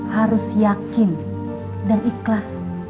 harus yakin dan ikhlas